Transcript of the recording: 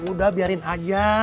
udah biarin aja